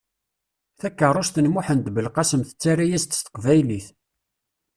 Takeṛṛust n Muḥend Belqasem tettarra-yas-d s teqbaylit.